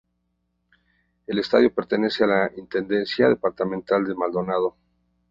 El estadio pertenece a la Intendencia Departamental de Maldonado.